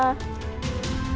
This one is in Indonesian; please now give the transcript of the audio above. sianan indonesia today